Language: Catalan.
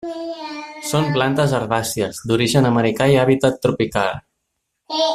Són plantes herbàcies, d'origen americà i hàbitat tropical.